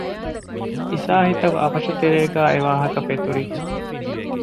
އިސާހިތަކު އަވަށު ތެރޭގައި އެ ވާހަކަ ފެތުރިއްޖެ